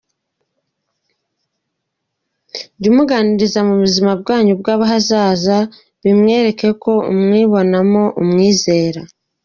Jya umuganiriza ku buzima bwanyu bw’ahazaza bimwereke ko umwibonamo, umwizera.